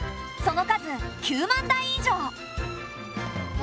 その数９万台以上。